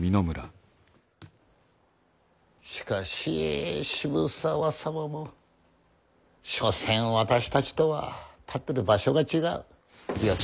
しかし渋沢様も所詮私たちとは立ってる場所が違う。